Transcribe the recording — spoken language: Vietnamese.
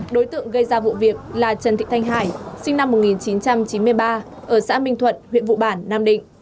đối tượng gây ra vụ việc là trần thị thanh hải sinh năm một nghìn chín trăm chín mươi ba ở xã minh thuận huyện vụ bản nam định